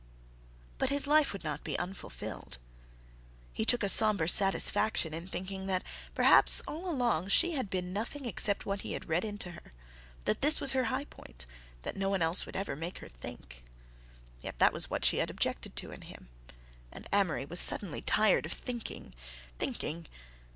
But his life would not be unfulfilled. He took a sombre satisfaction in thinking that perhaps all along she had been nothing except what he had read into her; that this was her high point, that no one else would ever make her think. Yet that was what she had objected to in him; and Amory was suddenly tired of thinking, thinking!